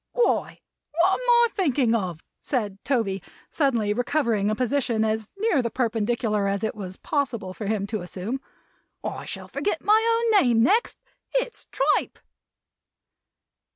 "Why, what am I a thinking of!" said Toby, suddenly recovering a position as near the perpendicular as it was possible for him to assume. "I shall forget my own name next. It's tripe!"